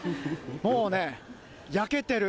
もうね、焼けてる。